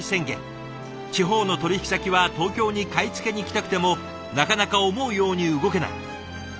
地方の取引先は東京に買い付けに行きたくてもなかなか思うように動けない。